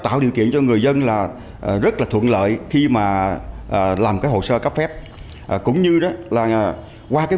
tạo điều kiện cho người dân là rất là thuận lợi khi mà làm cái hồ sơ cấp phép cũng như đó là qua cái